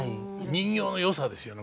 人形のよさですよね